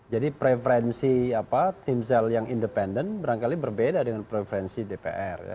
jadi preferensi apa timsel yang independen berangkali berbeda dengan preferensi dpr